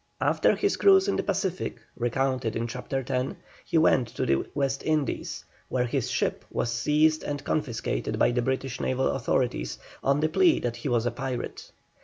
After his cruise in the Pacific, recounted in Chapter X., he went to the West Indies, where his ship was seized and confiscated by the British naval authorities, on the plea that he was a pirate.